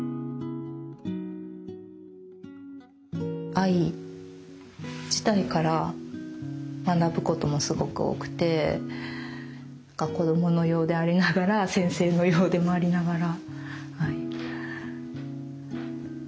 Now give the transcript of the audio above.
藍自体から学ぶこともすごく多くてなんか子どものようでありながら先生のようでもありながら。